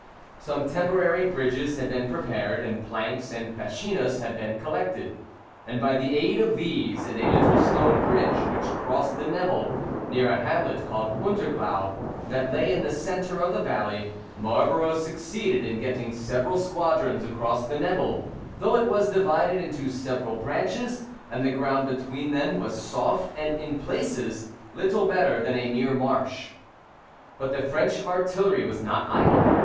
Some temporary bridges had been prepared, and planks and fascinas had been collected; and by the aid of these and a little stone bridge which crossed the Nebel, near a hamlet called Unterglau, that lay in the centre of the valley, Marlborough succeeded in getting several squadrons across the Nebel, though it was divided into several branches, and the ground between them was soft, and in places, little better than a mere marsh. But the French artillery was not idle.